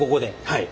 はい。